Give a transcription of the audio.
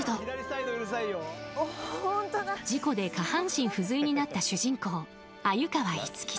［事故で下半身不随になった主人公鮎川樹と］